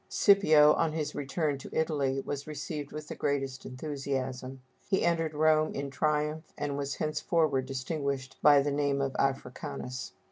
Scipio, on his return to Italy, was received with the greatest enthusiasm; he entered Rome in triumph, and was henceforward distinguished by the name of Africanus.